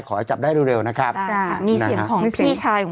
ขอให้จับได้เร็วเร็วนะครับจ้ะมีเสียงของพี่ชายของ